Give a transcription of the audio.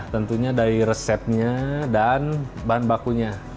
tentunya dari resepnya dan bahan bakunya